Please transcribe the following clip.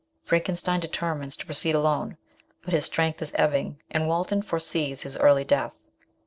Frankenstein determines to proceed alone; but his strength is ebbing, and Walton foresees his early death.